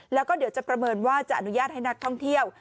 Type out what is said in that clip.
แล้วก็เดี๋ยวจะประเมินว่าจะอนุญาตให้นักท่องเที่ยว